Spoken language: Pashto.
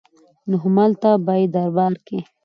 نو هملته به يې دربار کې